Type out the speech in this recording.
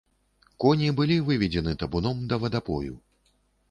Коні былі выведзены табуном да вадапою.